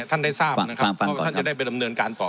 ท่านได้ทราบนะครับฟังฟังก่อนครับเพราะว่าท่านจะได้ไปดำเนินการฝ่อ